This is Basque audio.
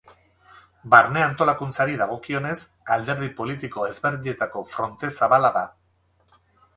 Barne antolakuntzari dagokionez, alderdi politiko ezberdinetako fronte zabala da.